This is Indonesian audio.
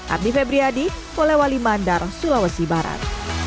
ardi febriyadi polewali mandar sulawesi barat